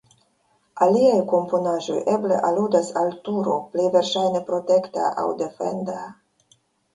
Aliaj komponaĵoj eble aludas al turo, plej verŝajne protekta aŭ defenda.